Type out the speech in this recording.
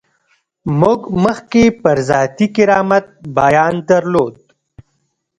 موږ مخکې پر ذاتي کرامت بیان درلود.